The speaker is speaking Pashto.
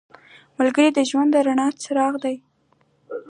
ملګری د ژوند د رڼا څراغ دی